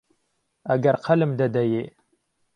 ئهگهر قهلم دهدهیێ